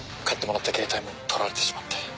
買ってもらったケータイも取られてしまって。